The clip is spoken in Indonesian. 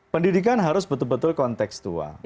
pendidikan harus betul betul konteksual